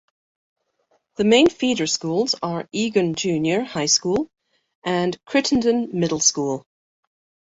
The main feeder schools are Egan Junior High School and Crittenden Middle School.